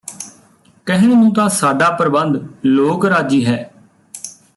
ਕਹਿਣ ਨੂੰ ਤਾਂ ਸਾਡਾ ਪ੍ਰਬੰਧ ਲੋਕ ਰਾਜੀ ਹੈ